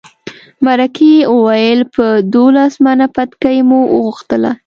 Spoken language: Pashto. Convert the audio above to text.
مرکې وویل په دولس منه بتکۍ مو وغوښتله.